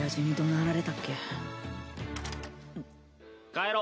帰ろ。